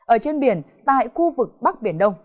ở trên biển tại khu vực bắc biển đông